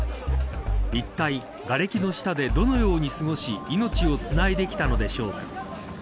いったい、がれきの下でどのように過ごし命をつないできたのでしょうか。